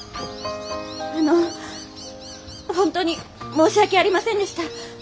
あの本当に申し訳ありませんでした。